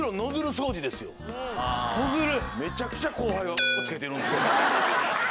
ノズル。